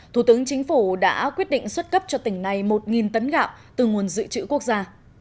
thủ tướng chính phủ đã quyết định xuất cấp cho tỉnh này một tấn gạo từ nguồn dự trữ quốc gia